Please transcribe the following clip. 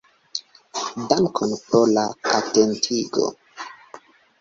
Dankon pro la atentigo!